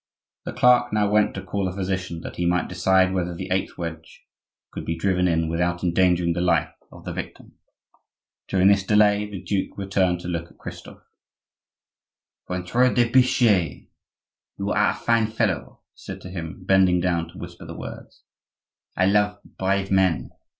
The clerk now went to call the physician that he might decide whether the eighth wedge could be driven in without endangering the life of the victim. During this delay the duke returned to look at Christophe. "Ventre de biche! you are a fine fellow," he said to him, bending down to whisper the words. "I love brave men.